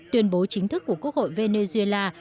tuyên bố chính thức của quốc hội venezuela